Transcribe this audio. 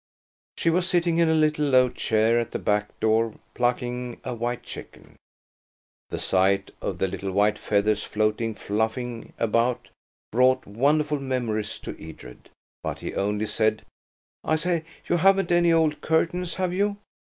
She was sitting in a little low chair at the back door plucking a white chicken. The sight of the little white feathers floating fluffing about brought wonderful memories to Edred. But he only said– "I say, you haven't any old curtains, have you?